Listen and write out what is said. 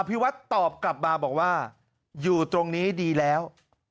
พี่วัดตอบกลับมาบอกว่าอยู่ตรงนี้ดีแล้ว